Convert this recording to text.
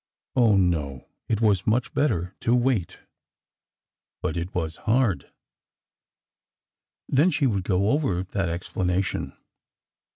Oh, no, it was much better to wait !... But it was hard !... Then she would go over that explanation.